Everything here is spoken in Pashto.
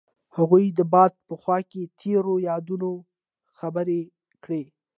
هغوی د باد په خوا کې تیرو یادونو خبرې کړې.